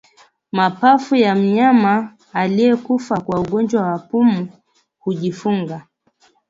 Mapafu ya mnyama aliyekufa kwa ugonjwa wa pumu hujifunga